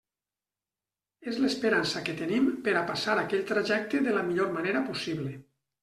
És l'esperança que tenim per a passar aquell trajecte de la millor manera possible.